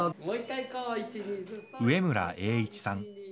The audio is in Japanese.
植村栄一さん。